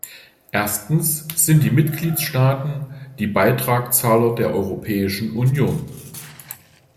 Erstens sind die Mitgliedstaaten die Beitragszahler der Europäische Union.